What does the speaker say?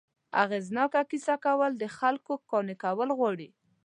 اغېزناکه کیسه کول، د خلکو قانع کول غواړي.